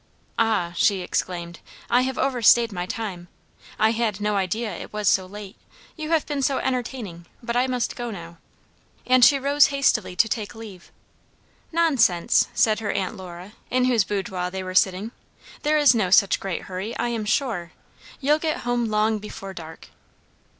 "Ah!" she exclaimed, "I have overstayed my time! I had no idea it was so late you have been so entertaining; but I must go now." And she rose hastily to take leave. "Nonsense!" said her Aunt Lora in whose boudoir they were sitting, "there is no such great hurry, I am sure. You'll get home long before dark."